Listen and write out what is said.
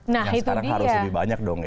yang sekarang harus lebih banyak dong ya